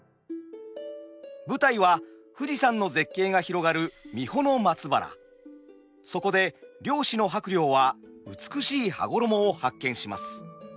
舞台は富士山の絶景が広がるそこで漁師の伯了は美しい羽衣を発見します。